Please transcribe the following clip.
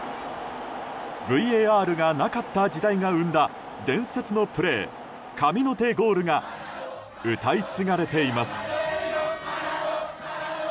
ＶＡＲがなかった時代が生んだ伝説のプレー神の手ゴールが歌い継がれています。